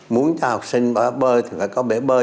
muốn cho học sinh bơi thì phải có bế bơi